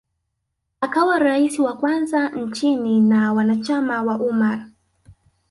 akawa rais wa kwanza wa nchi na wanachama wa Ummar